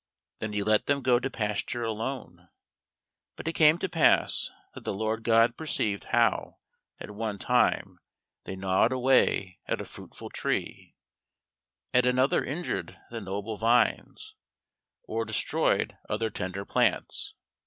Then he let them go to pasture alone, but it came to pass that the Lord God perceived how at one time they gnawed away at a fruitful tree, at another injured the noble vines, or destroyed other tender plants.